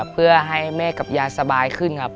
เพื่อให้แม่กับยายสบายขึ้นครับ